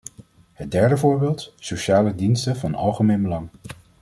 Het derde voorbeeld: sociale diensten van algemeen belang.